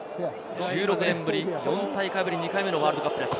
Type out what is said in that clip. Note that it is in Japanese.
１６年ぶり４大会ぶり２回目のワールドカップです。